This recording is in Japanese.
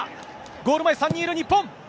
ゴール前、３人いる日本。